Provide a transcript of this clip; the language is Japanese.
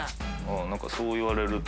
なんかそう言われると。